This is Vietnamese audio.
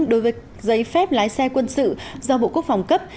đối với giấy phép lái xe quân sự do bộ quốc phòng cấp